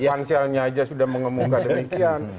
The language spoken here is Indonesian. panselnya aja sudah mengemuka demikian